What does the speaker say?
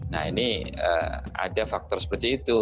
nah ini ada faktor seperti itu